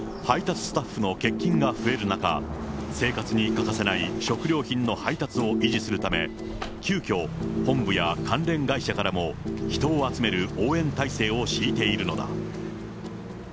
配達スタッフの欠勤が増える中、生活に欠かせない食料品の配達を維持するため、急きょ、本部や関連会社からも人を集める応援態勢を敷いているのだ。